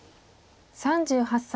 ３８歳。